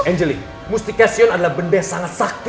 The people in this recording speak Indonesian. angelic mustikasion adalah benda yang sangat sakti